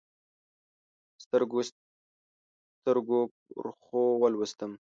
سترګو، سترګو پرخو ولوستم